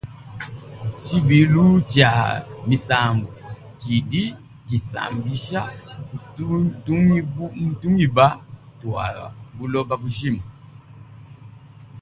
Tshibilu tshia misambu tshidi tshisangisha tungimba tua buloba bujima.